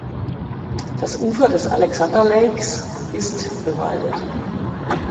Das Ufer des Alexander Lakes ist bewaldet.